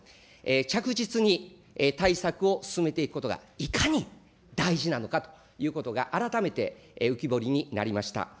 着実に対策を進めていくことがいかに大事なのかということが、改めて浮き彫りになりました。